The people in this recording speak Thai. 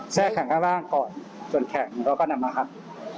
แข่งข้างล่างก่อนจนแข็งแล้วก็นำมาหัก